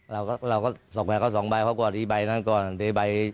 เราก็ส่งให้เค้า๒ใบเค้ากวดอีกใบนั้นก่อนอันดีใบ๗๕